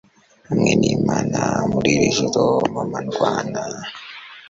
Hamwe nImana muri iri joro mama ndwana